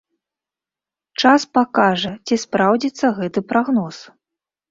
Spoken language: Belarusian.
Час пакажа, ці спраўдзіцца гэты прагноз.